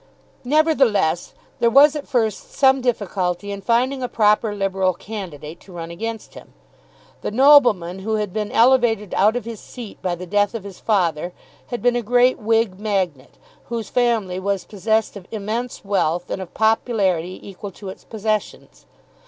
Nevertheless there was at first some difficulty in finding a proper Liberal candidate to run against him. The nobleman who had been elevated out of his seat by the death of his father had been a great Whig magnate, whose family was possessed of immense wealth and of popularity equal to its possessions.